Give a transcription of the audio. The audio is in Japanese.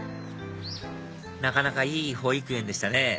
なかなかいい保育園でしたね